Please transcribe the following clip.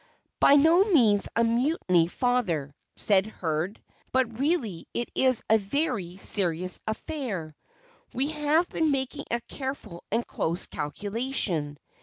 "By no means a mutiny, father," said Hurd, "but really it is a very serious affair. We have been making a careful and close calculation."